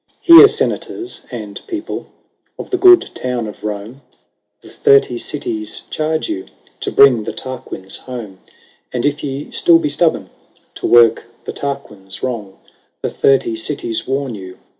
VI. " Hear, Senators and people Of the good town of Rome : 100 I. AYS OF ANCIENT ROME. isa ^^^^^> r^ The Thirty Cities charge you To bring the Tarquins home : And if ye still be stubborn. To work the Tarquins wrong, The Thirty Cities warn you.